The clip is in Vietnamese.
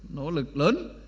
nỗ lực lớn